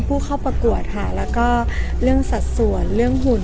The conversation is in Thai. ผู้เข้าประกวดค่ะแล้วก็เรื่องสัดส่วนเรื่องหุ่น